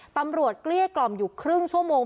เกลี้ยกล่อมอยู่ครึ่งชั่วโมง